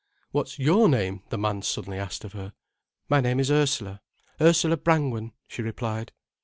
"What's your name?" the man suddenly asked of her. "My name is Ursula—Ursula Brangwen," she replied.